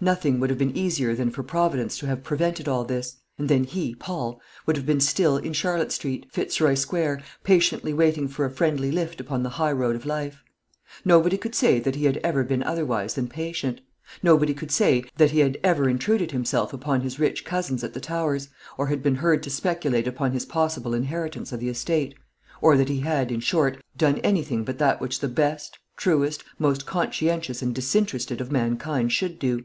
Nothing would have been easier than for Providence to have prevented all this; and then he, Paul, would have been still in Charlotte Street, Fitzroy Square, patiently waiting for a friendly lift upon the high road of life. Nobody could say that he had ever been otherwise than patient. Nobody could say that he had ever intruded himself upon his rich cousins at the Towers, or had been heard to speculate upon his possible inheritance of the estate; or that he had, in short, done any thing but that which the best, truest, most conscientious and disinterested of mankind should do.